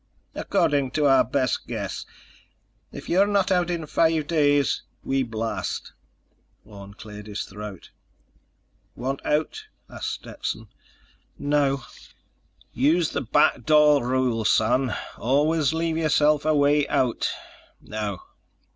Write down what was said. "According to our best guess. If you're not out in five days, we blast." Orne cleared his throat. "Want out?" asked Stetson. "No." "Use the back door rule, son. Always leave yourself a way out. Now